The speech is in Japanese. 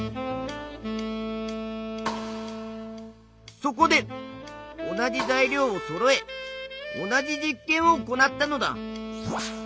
そこで同じ材料をそろえ同じ実験を行ったのだ。